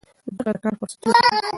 زده کړه د کار فرصتونه زیاتوي.